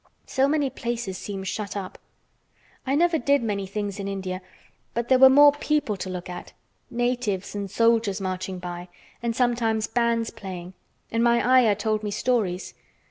So many places seem shut up. I never did many things in India, but there were more people to look at—natives and soldiers marching by—and sometimes bands playing, and my Ayah told me stories.